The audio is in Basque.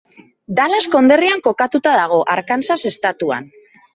Dallas konderrian kokatuta dago, Arkansas estatuan.